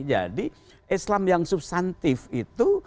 jadi islam yang substantif itu